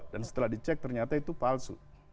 dan setelah dicek ternyata itu palsu